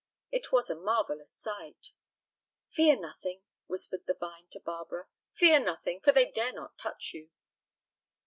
It was a marvellous sight. "Fear nothing," whispered the vine to Barbara, "fear nothing, for they dare not touch you."